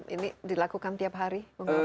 ini dilakukan tiap hari